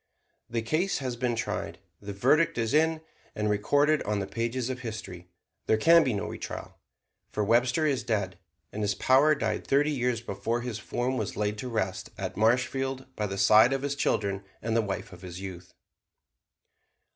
The case has been tried, the verdict is in and recorded on the pages of history. There can be no retrial, for Webster is dead, and his power died thirty years before his form was laid to rest at Marshfield by the side of his children and the wife of his youth.